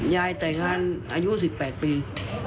ยายแต่งงานอายุ๑๘ปี